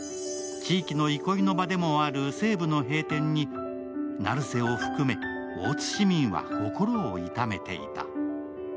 地域の憩いの場でもある西武の閉店に、成瀬を含め、大津市民は心を痛めていた。